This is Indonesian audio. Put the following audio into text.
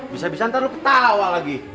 bisa bisa ntar ketawa lagi